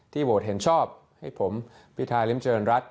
โหวตเห็นชอบให้ผมพิธาริมเจริญรัฐ